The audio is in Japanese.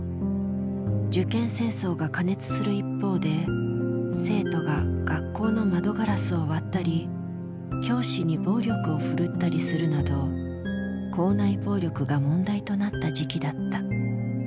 受験戦争が過熱する一方で生徒が学校の窓ガラスを割ったり教師に暴力をふるったりするなど校内暴力が問題となった時期だった。